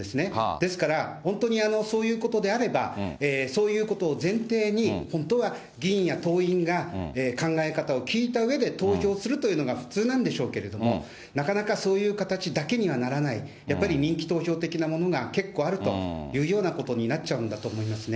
ですから、本当にそういうことであれば、そういうことを前提に、本当は議員や党員が考え方を聞いたうえで投票するというのが普通なんでしょうけれども、なかなかそういう形だけにはならない、やっぱり人気投票的なものが、結構あるというようなことになっちゃうんだと思いますね。